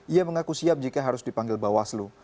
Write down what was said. ia mengaku siap jika harus dipanggil bawaslu